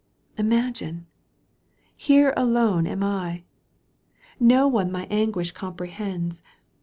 Imagine ! Here alone am I ! Ко one my anguish comprehends.